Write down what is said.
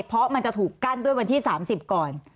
เพราะมันจะถูกกั้นด้วยวันที่๓๐ก่อน